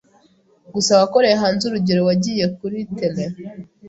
gusa wakoreye hanze urugero wagiye kuri terrain